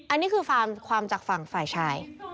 อันนี้คือความจากฝั่งฝ่ายชาย